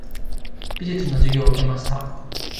美術の授業を受けました。